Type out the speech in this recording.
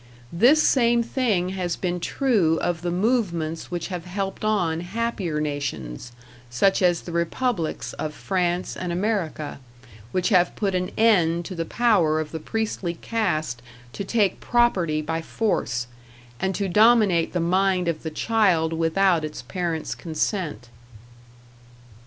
This same thing has been true of the movements which have helped on happier nations, such as the republics of France and America, which have put an end to the power of the priestly caste to take property by force, and to dominate the mind of the child without its parents' consent.